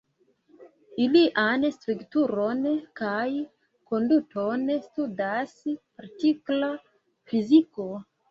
Ilian strukturon kaj konduton studas partikla fiziko.